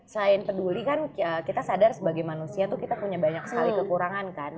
selain peduli kan kita sadar sebagai manusia tuh kita punya banyak sekali kekurangan kan